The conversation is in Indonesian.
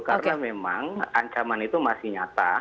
karena memang ancaman itu masih nyata